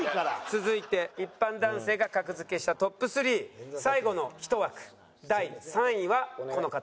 続いて一般男性が格付けしたトップ３最後の１枠第３位はこの方。